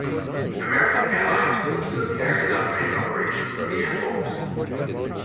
American Airlines also carries out many operations from the airport.